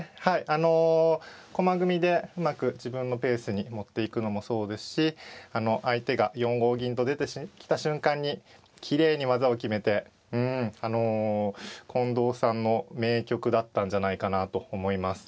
あの駒組みでうまく自分のペースに持っていくのもそうですし相手が４五銀と出てきた瞬間にきれいに技を決めてうんあの近藤さんの名局だったんじゃないかなと思います。